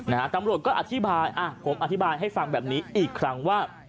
นะฮะตำรวจก็อธิบายอ่ะผมอธิบายให้ฟังแบบนี้อีกครั้งว่า